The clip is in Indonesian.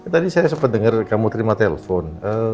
tadi saya sempat dengar kamu terima telepon